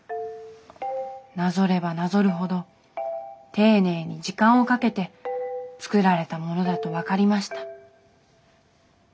なぞればなぞるほど丁寧に時間をかけて作られたものだと分かりました。